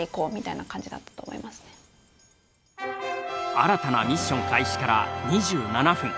新たなミッション開始から２７分。